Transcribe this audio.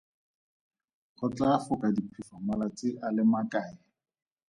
Go tlaa foka diphefo malatsi a le makae?